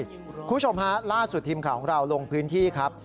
คุณผู้ชมฮะล่าสุดทีมข่าวของเราลงพื้นที่ครับ